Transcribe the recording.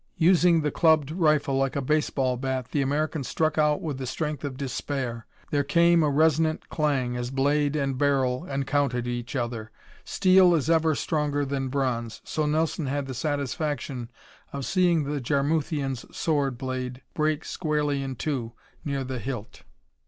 Using the clubbed rifle like a baseball bat, the American struck out with the strength of despair. There came a resonant clang as blade and barrel encountered each other. Steel is ever stronger than bronze, so Nelson had the satisfaction of seeing the Jarmuthian's sword blade break squarely in two near the hilt.